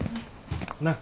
なっ。